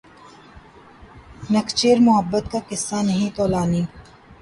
نخچیر محبت کا قصہ نہیں طولانی